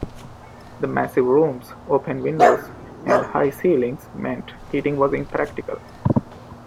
The massive rooms, open windows and high ceilings meant heating was impractical.